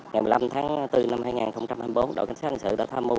ngày một mươi năm tháng bốn năm hai nghìn hai mươi bốn đội cảnh sát hành sự đã tham mưu